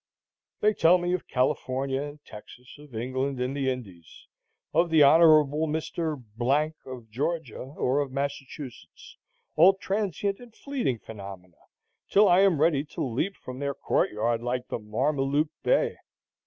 They tell me of California and Texas, of England and the Indies, of the Hon. Mr. —— of Georgia or of Massachusetts, all transient and fleeting phenomena, till I am ready to leap from their court yard like the Mameluke bey.